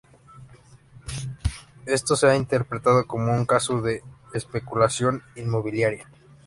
Esto se ha interpretado como un caso de especulación inmobiliaria.